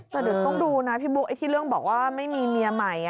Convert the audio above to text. แต่เดี๋ยวต้องดูนะพี่บุ๊คที่เรื่องบอกว่าไม่มีเมียใหม่